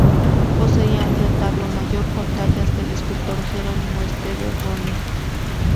Poseía un retablo mayor con tallas del escultor Jerónimo Esteve Bonet.